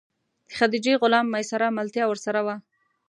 د خدیجې غلام میسره ملتیا ورسره وه.